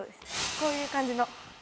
こういう感じの。